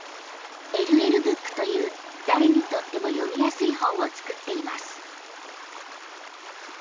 ＬＬブックという誰にとっても読みやすい本を作っています。